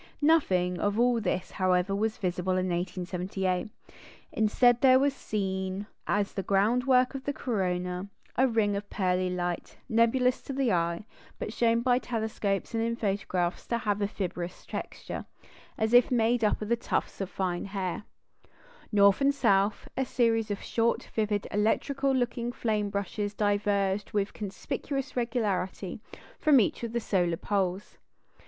Nothing of all this, however, was visible in 1878. Instead, there was seen, as the groundwork of the corona, a ring of pearly light, nebulous to the eye, but shown by telescopes and in photographs to have a fibrous texture, as if made up of tufts of fine hairs. North and south, a series of short, vivid, electrical looking flame brushes diverged with conspicuous regularity from each of the solar poles.